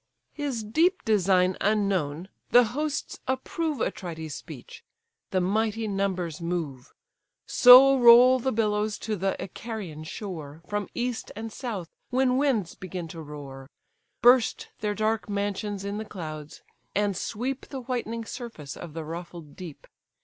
His deep design unknown, the hosts approve Atrides' speech. The mighty numbers move. So roll the billows to the Icarian shore, From east and south when winds begin to roar, Burst their dark mansions in the clouds, and sweep The whitening surface of the ruffled deep.